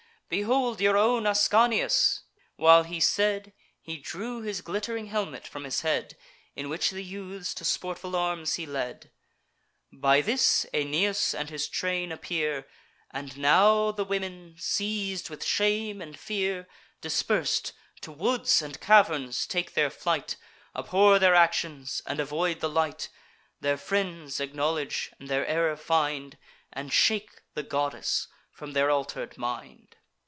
Behold your own Ascanius!" While he said, He drew his glitt'ring helmet from his head, In which the youths to sportful arms he led. By this, Aeneas and his train appear; And now the women, seiz'd with shame and fear, Dispers'd, to woods and caverns take their flight, Abhor their actions, and avoid the light; Their friends acknowledge, and their error find, And shake the goddess from their alter'd mind.